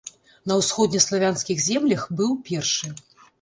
На ўсходнеславянскіх землях быў першы.